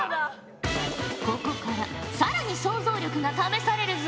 ここから更に想像力が試されるぞ。